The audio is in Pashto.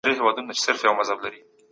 کتاب د تيارو په وړاندې سپر دی.